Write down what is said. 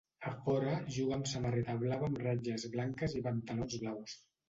A fora juga amb samarreta blava amb ratlles blanques i pantalons blaus.